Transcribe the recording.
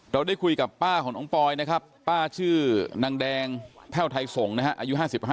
ได้คุยกับป้าของน้องปอยนะครับป้าชื่อนางแดงแพ่วไทยส่งนะฮะอายุ๕๕